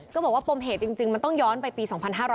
ก็บอกว่าปมเหตุจริงมันต้องย้อนไปปี๒๕๕๙